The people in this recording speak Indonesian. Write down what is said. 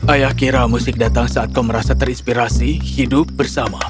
ayah kira musik datang saat kau merasa terinspirasi hidup bersama